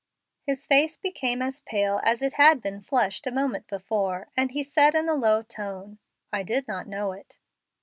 His face became as pale as it had been flushed a moment before, and he said, in a low tone, "I did not know it."